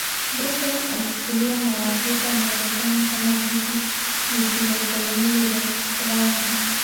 Boston ilichukuliwa na Waafrika-Wamarekani kama jiji lisilostahimili rangi.